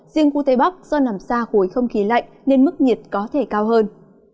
riêng khu tây bắc do nằm xa khối không khí lạnh nên mức nhiệt có thể cao hơn